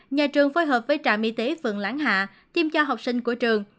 nhà trường phối hợp với trạm y tế phượng lãng hạ tiêm cho học sinh của trường